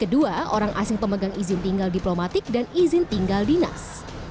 kedua orang asing pemegang izin tinggal diplomatik dan izin tinggal dinas